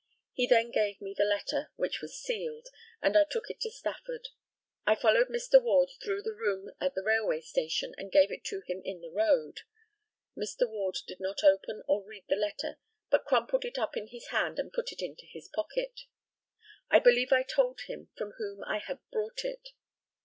He then gave me the letter, which was sealed, and I took it to Stafford. I followed Mr. Ward through the room at the railway station, and gave it to him in the road. Mr. Ward did not open or read the letter, but crumpled it up in his hand and put it into his pocket. I believe I told him from whom I had brought it.